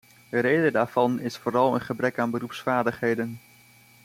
De reden daarvan is vooral een gebrek aan beroepsvaardigheden.